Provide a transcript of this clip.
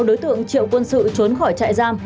đối tượng triệu quân sự trốn khỏi trại giam